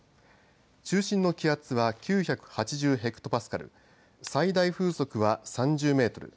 中心の気圧は９８０ヘクトパスカル最大風速は３０メートル